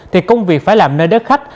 thì công việc phải làm nơi đất khách